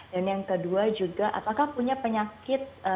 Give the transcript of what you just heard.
dan yang kedua juga apakah punya penyakit